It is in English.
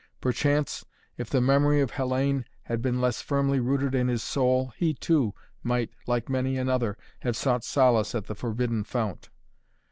Perchance, if the memory of Hellayne had been less firmly rooted in his soul, he, too, might, like many another, have sought solace at the forbidden fount.